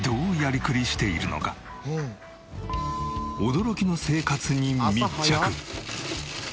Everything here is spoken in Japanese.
驚きの生活に密着。